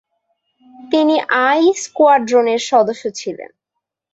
তিনি 'আই' স্কোয়াড্রনের সদস্য ছিলেন।